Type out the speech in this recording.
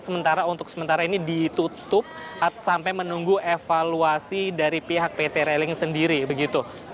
jadi kita untuk sementara ini ditutup sampai menunggu evaluasi dari pihak pt railing sendiri